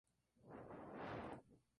Tenía doce bares y cinco burdeles.